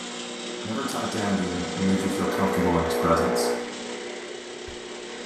Never talked down to you and made you feel comfortable in his presence.